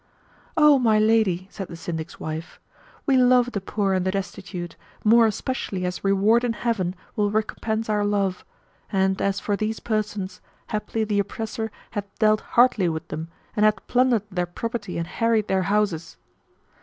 "O my lady," said the Syndic's wife, "we love the poor and the destitute, more especially as reward in Heaven will recompense our love; and, as for these persons, haply the oppressor hath dealt hardly with them; and hath plundered their property and harried their houses."